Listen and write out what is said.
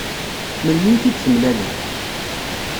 Melmi i t-id-temlalem?